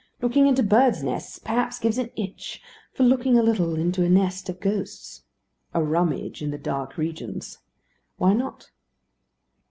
Looking into birds' nests perhaps gives an itch for looking a little into a nest of ghosts. A rummage in the dark regions. Why not?